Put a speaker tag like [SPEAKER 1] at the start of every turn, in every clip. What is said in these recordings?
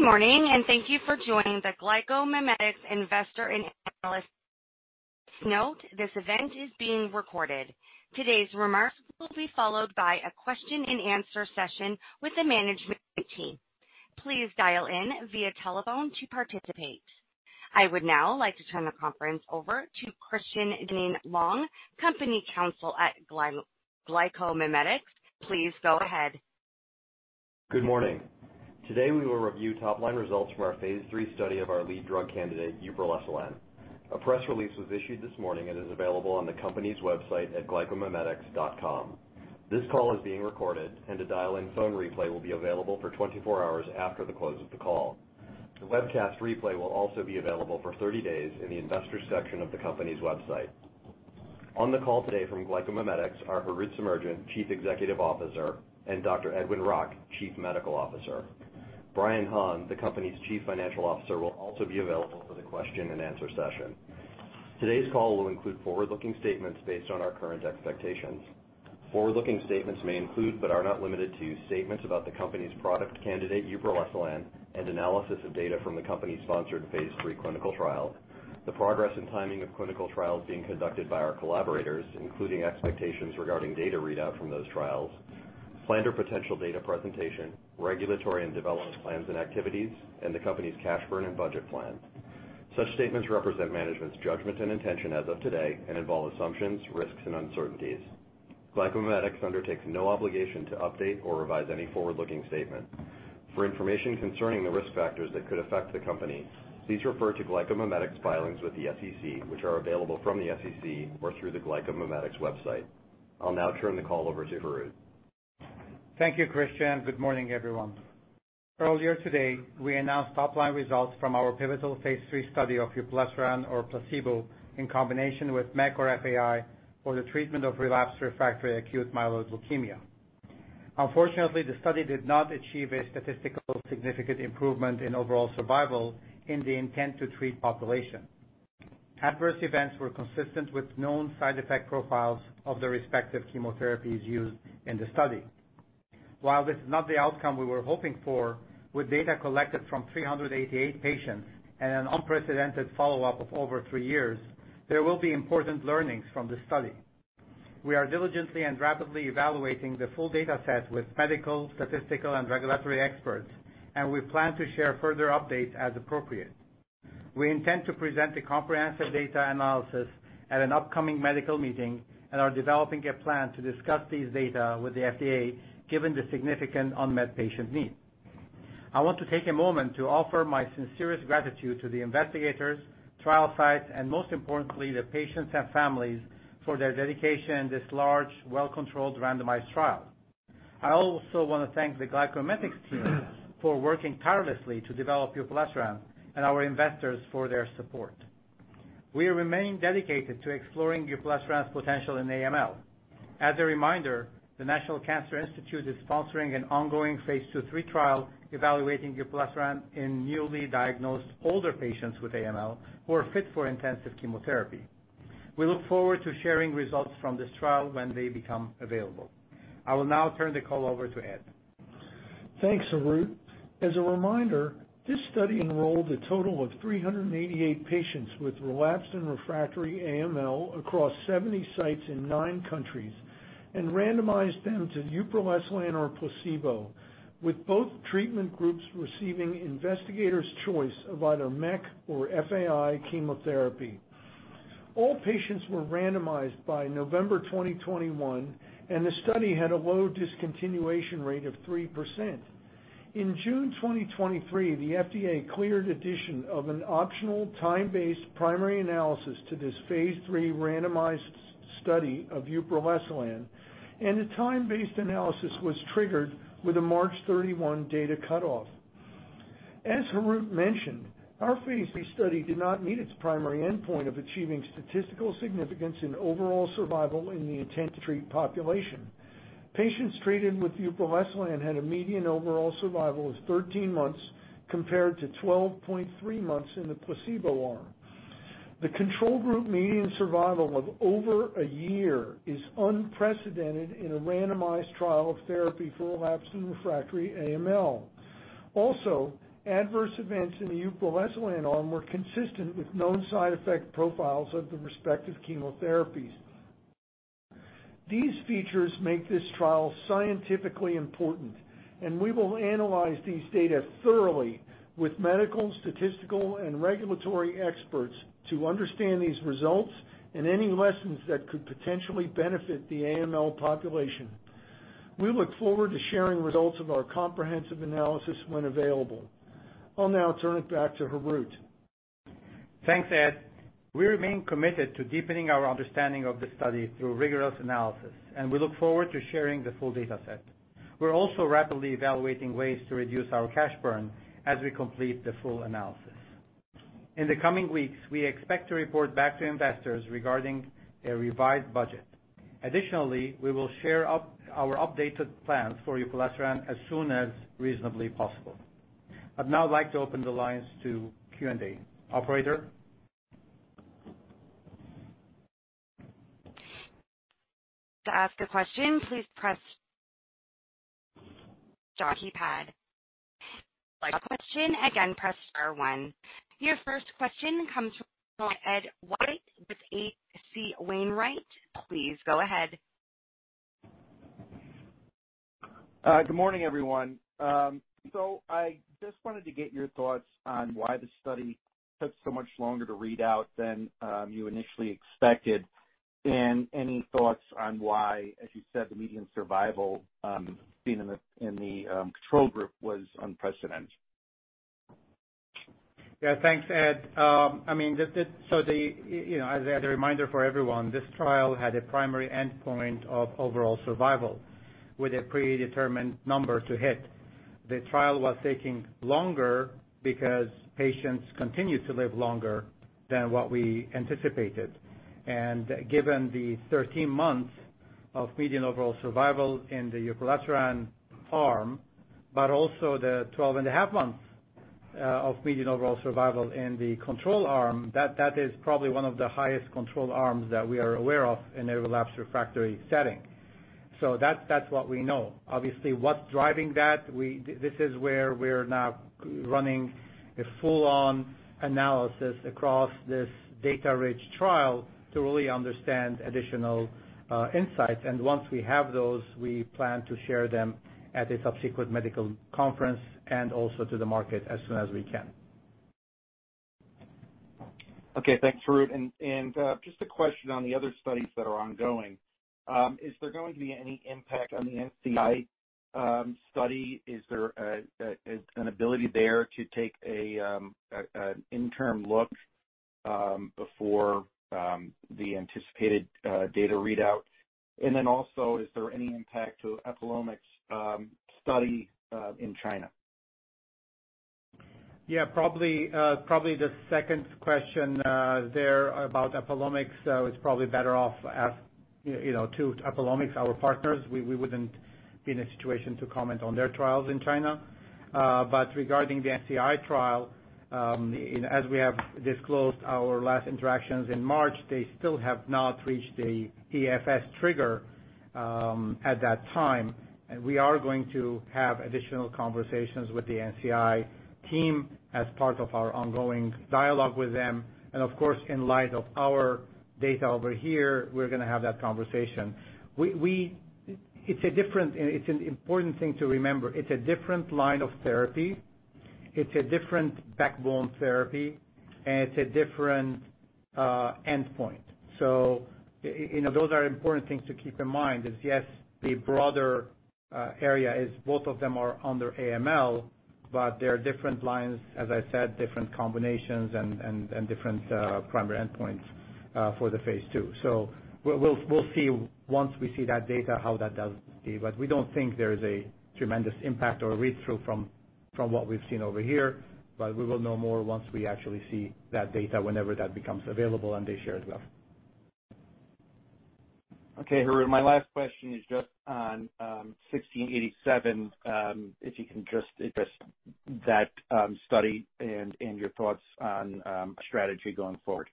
[SPEAKER 1] Good morning, and thank you for joining the GlycoMimetics Investor and Analyst. Note: this event is being recorded. Today's remarks will be followed by a question-and-answer session with the management team. Please dial in via telephone to participate. I would now like to turn the conference over to Christian Dinneen-Long, Company Counsel at GlycoMimetics. Please go ahead.
[SPEAKER 2] Good morning. Today we will review top-line results from our phase III study of our lead drug candidate, uproleselan. A press release was issued this morning and is available on the company's website at glycomimetics.com. This call is being recorded, and a dial-in phone replay will be available for 24 hours after the close of the call. The webcast replay will also be available for 30 days in the investors' section of the company's website. On the call today from GlycoMimetics are Harout Semerjian, Chief Executive Officer, and Dr. Edwin Rock, Chief Medical Officer. Brian Hahn, the company's Chief Financial Officer, will also be available for the question-and-answer session. Today's call will include forward-looking statements based on our current expectations. Forward-looking statements may include but are not limited to statements about the company's product candidate, uproleselan, and analysis of data from the company-sponsored Phase III clinical trial. The progress and timing of clinical trials being conducted by our collaborators, including expectations regarding data readout from those trials. Planned or potential data presentation. Regulatory and development plans and activities. And the company's cash burn and budget plan. Such statements represent management's judgment and intention as of today and involve assumptions, risks, and uncertainties. GlycoMimetics undertakes no obligation to update or revise any forward-looking statement. For information concerning the risk factors that could affect the company, please refer to GlycoMimetics filings with the SEC, which are available from the SEC or through the GlycoMimetics website. I'll now turn the call over to Harout.
[SPEAKER 3] Thank you, Christian. Good morning, everyone. Earlier today, we announced top-line results from our pivotal Phase III study of uproleselan or placebo in combination with MEC or FAI for the treatment of relapsed refractory acute myeloid leukemia. Unfortunately, the study did not achieve a statistically significant improvement in overall survival in the intent-to-treat population. Adverse events were consistent with known side effect profiles of the respective chemotherapies used in the study. While this is not the outcome we were hoping for, with data collected from 388 patients and an unprecedented follow-up of over three years, there will be important learnings from the study. We are diligently and rapidly evaluating the full dataset with medical, statistical, and regulatory experts, and we plan to share further updates as appropriate. We intend to present a comprehensive data analysis at an upcoming medical meeting and are developing a plan to discuss these data with the FDA, given the significant unmet patient needs. I want to take a moment to offer my sincerest gratitude to the investigators, trial sites, and most importantly, the patients and families for their dedication in this large, well-controlled, randomized trial. I also want to thank the GlycoMimetics team for working tirelessly to develop uproleselan and our investors for their support. We remain dedicated to exploring uproleselan's potential in AML. As a reminder, the National Cancer Institute is sponsoring an ongoing Phase II/III trial evaluating uproleselan in newly diagnosed, older patients with AML who are fit for intensive chemotherapy. We look forward to sharing results from this trial when they become available. I will now turn the call over to Ed.
[SPEAKER 4] Thanks, Harout. As a reminder, this study enrolled a total of 388 patients with relapsed and refractory AML across 70 sites in nine countries and randomized them to uproleselan or placebo, with both treatment groups receiving investigators' choice of either MEC or FAI chemotherapy. All patients were randomized by November 2021, and the study had a low discontinuation rate of 3%. In June 2023, the FDA cleared addition of an optional, time-based primary analysis to this Phase III randomized study of uproleselan, and a time-based analysis was triggered with a March 31 data cutoff. As Harout mentioned, our Phase III study did not meet its primary endpoint of achieving statistical significance in overall survival in the intent-to-treat population. Patients treated with uproleselan had a median overall survival of 13 months compared to 12.3 months in the placebo arm. The control group median survival of over a year is unprecedented in a randomized trial of therapy for relapsed and refractory AML. Also, adverse events in the uproleselan arm were consistent with known side effect profiles of the respective chemotherapies. These features make this trial scientifically important, and we will analyze these data thoroughly with medical, statistical, and regulatory experts to understand these results and any lessons that could potentially benefit the AML population. We look forward to sharing results of our comprehensive analysis when available. I'll now turn it back to Harout.
[SPEAKER 3] Thanks, Ed. We remain committed to deepening our understanding of the study through rigorous analysis, and we look forward to sharing the full dataset. We're also rapidly evaluating ways to reduce our cash burn as we complete the full analysis. In the coming weeks, we expect to report back to investors regarding a revised budget. Additionally, we will share our updated plans for uproleselan as soon as reasonably possible. I'd now like to open the lines to Q&A. Operator?
[SPEAKER 1] To ask a question, please press dial pad. For a question, again, press Star 1. Your first question comes from Ed White with H.C. Wainwright. Please go ahead.
[SPEAKER 5] Good morning, everyone. So I just wanted to get your thoughts on why the study took so much longer to readout than you initially expected, and any thoughts on why, as you said, the median survival seen in the control group was unprecedented?
[SPEAKER 3] Yeah, thanks, Ed. I mean, so as a reminder for everyone, this trial had a primary endpoint of overall survival with a predetermined number to hit. The trial was taking longer because patients continued to live longer than what we anticipated. And given the 13 months of median overall survival in the uproleselan arm but also the 12.5 months of median overall survival in the control arm, that is probably one of the highest control arms that we are aware of in a relapsed/refractory setting. So that's what we know. Obviously, what's driving that? This is where we're now running a full-on analysis across this data-rich trial to really understand additional insights. And once we have those, we plan to share them at a subsequent medical conference and also to the market as soon as we can.
[SPEAKER 5] Okay, thanks, Harout. And just a question on the other studies that are ongoing. Is there going to be any impact on the NCI study? Is there an ability there to take an interim look before the anticipated data readout? And then also, is there any impact to Apollomics study in China?
[SPEAKER 3] Yeah, probably the second question there about Apollomics, it's probably better off to Apollomics, our partners. We wouldn't be in a situation to comment on their trials in China. But regarding the NCI trial, as we have disclosed our last interactions in March, they still have not reached the EFS trigger at that time. We are going to have additional conversations with the NCI team as part of our ongoing dialogue with them. And of course, in light of our data over here, we're going to have that conversation. It's an important thing to remember. It's a different line of therapy. It's a different backbone therapy, and it's a different endpoint. So those are important things to keep in mind. Yes, the broader area is both of them are under AML, but they're different lines, as I said, different combinations, and different primary endpoints for the phase II. So we'll see once we see that data how that does be. But we don't think there is a tremendous impact or read-through from what we've seen over here, but we will know more once we actually see that data whenever that becomes available and they share it with us.
[SPEAKER 5] Okay, Harout, my last question is just on 1687, if you can just address that study and your thoughts on a strategy going forward.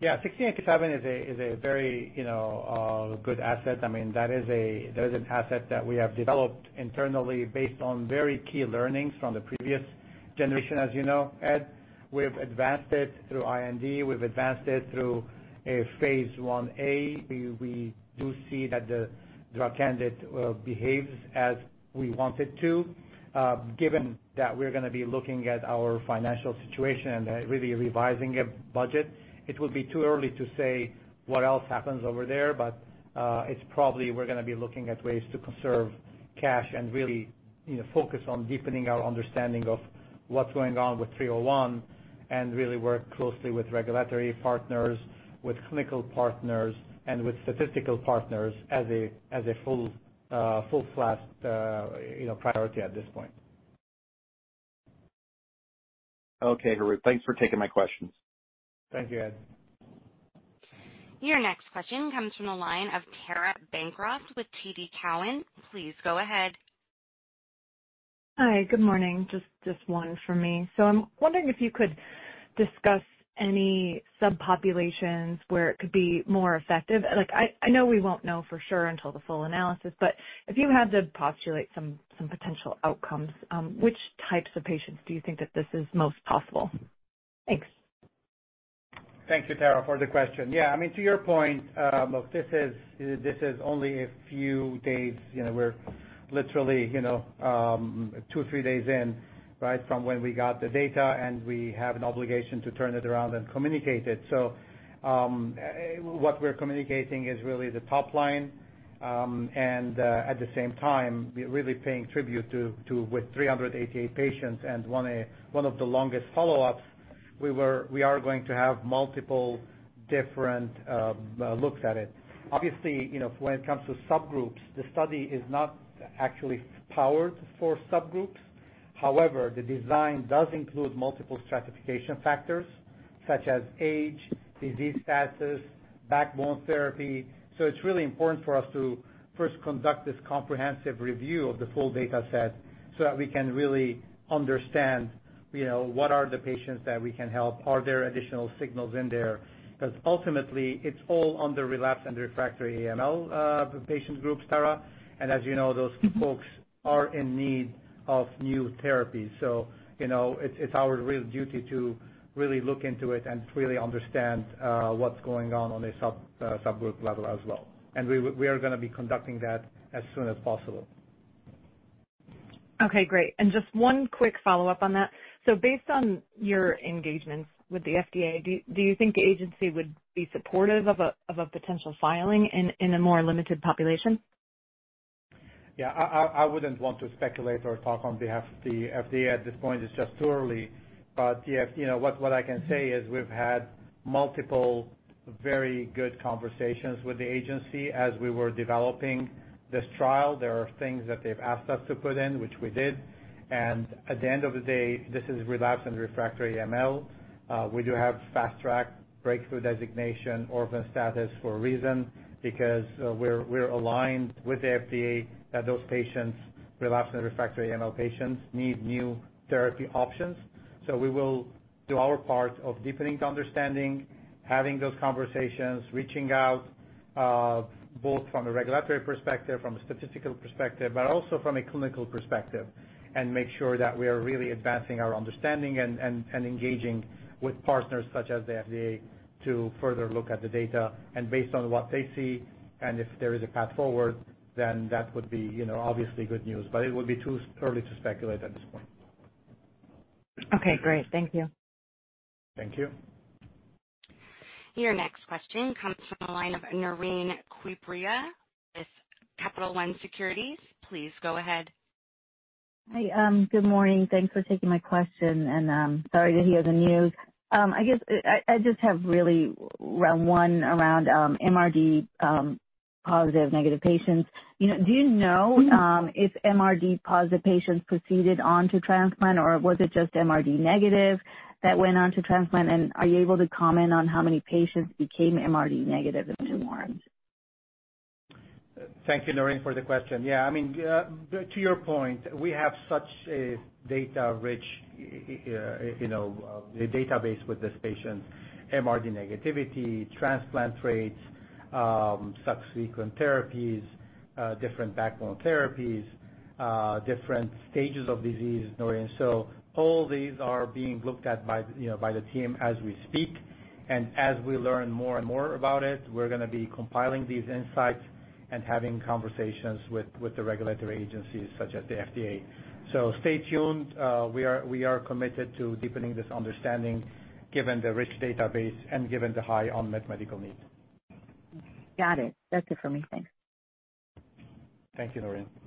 [SPEAKER 3] Yeah, 1687 is a very good asset. I mean, that is an asset that we have developed internally based on very key learnings from the previous generation, as you know, Ed. We've advanced it through I&D. We've advanced it through a Phase I-A. We do see that the drug candidate behaves as we want it to. Given that we're going to be looking at our financial situation and really revising a budget, it would be too early to say what else happens over there. But it's probably we're going to be looking at ways to conserve cash and really focus on deepening our understanding of what's going on with 301 and really work closely with regulatory partners, with clinical partners, and with statistical partners as a full-fledged priority at this point.
[SPEAKER 5] Okay, Harout, thanks for taking my questions.
[SPEAKER 3] Thank you, Ed.
[SPEAKER 1] Your next question comes from the line of Tara Bancroft with TD Cowen. Please go ahead.
[SPEAKER 6] Hi, good morning. Just one from me. So I'm wondering if you could discuss any subpopulations where it could be more effective. I know we won't know for sure until the full analysis, but if you had to postulate some potential outcomes, which types of patients do you think that this is most possible? Thanks.
[SPEAKER 3] Thank you, Tara, for the question. Yeah, I mean, to your point, look, this is only a few days. We're literally two, three days in, right, from when we got the data, and we have an obligation to turn it around and communicate it. So what we're communicating is really the top line. And at the same time, really paying tribute to with 388 patients and one of the longest follow-ups, we are going to have multiple different looks at it. Obviously, when it comes to subgroups, the study is not actually powered for subgroups. However, the design does include multiple stratification factors such as age, disease status, backbone therapy. So it's really important for us to first conduct this comprehensive review of the full dataset so that we can really understand what are the patients that we can help? Are there additional signals in there? Because ultimately, it's all under relapsed and refractory AML patient groups, Tara. And as you know, those folks are in need of new therapies. So it's our real duty to really look into it and really understand what's going on on a subgroup level as well. And we are going to be conducting that as soon as possible.
[SPEAKER 6] Okay, great. Just one quick follow-up on that. Based on your engagements with the FDA, do you think the agency would be supportive of a potential filing in a more limited population?
[SPEAKER 3] Yeah, I wouldn't want to speculate or talk on behalf of the FDA at this point. It's just too early. But what I can say is we've had multiple very good conversations with the agency as we were developing this trial. There are things that they've asked us to put in, which we did. And at the end of the day, this is relapsed and refractory AML. We do have fast-track breakthrough designation orphan status for a reason because we're aligned with the FDA that those patients, relapsed and refractory AML patients, need new therapy options. So we will do our part of deepening the understanding, having those conversations, reaching out both from a regulatory perspective, from a statistical perspective, but also from a clinical perspective, and make sure that we are really advancing our understanding and engaging with partners such as the FDA to further look at the data. Based on what they see and if there is a path forward, then that would be obviously good news. It would be too early to speculate at this point.
[SPEAKER 6] Okay, great. Thank you.
[SPEAKER 3] Thank you.
[SPEAKER 1] Your next question comes from the line of Naureen Quibria with Capital One Securities. Please go ahead.
[SPEAKER 7] Hi, good morning. Thanks for taking my question. Sorry to hear the news. I guess I just have one around MRD-positive/negative patients. Do you know if MRD-positive patients proceeded onto transplant, or was it just MRD-negative that went onto transplant? Are you able to comment on how many patients became MRD-negative in two arms?
[SPEAKER 3] Thank you, Naureen, for the question. Yeah, I mean, to your point, we have such a data-rich database with these patients: MRD-negativity, transplant rates, subsequent therapies, different backbone therapies, different stages of disease, Naureen. So all these are being looked at by the team as we speak. And as we learn more and more about it, we're going to be compiling these insights and having conversations with the regulatory agencies such as the FDA. So stay tuned. We are committed to deepening this understanding given the rich database and given the high unmet medical need.
[SPEAKER 7] Got it. That's it for me. Thanks.
[SPEAKER 3] Thank you, Naureen.